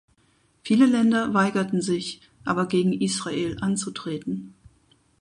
Viele Länder weigerten sich aber gegen Israel anzutreten.